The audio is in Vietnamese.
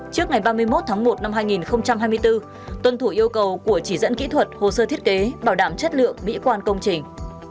trước ngày ba mươi một tháng một năm hai nghìn hai mươi bốn tuân thủ yêu cầu của chỉ dẫn kỹ thuật hồ sơ thiết kế bảo đảm chất lượng mỹ quan công trình